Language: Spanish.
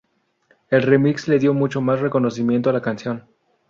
El remix le dio mucho más reconocimiento a la canción.